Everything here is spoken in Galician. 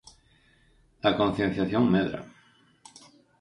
A concienciación medra.